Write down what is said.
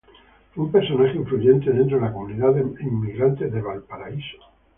Fue un personaje influyente dentro de la comunidad de inmigrantes de Missouri.